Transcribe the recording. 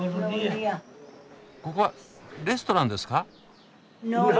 ここはレストランですか？